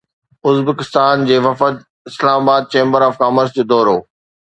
Uzbekistan جي وفد جو Islamabad chamber of commerce جو دورو